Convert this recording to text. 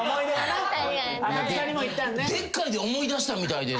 「でっかい」で思い出したみたいで。